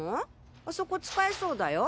あそこ使えそうだよ。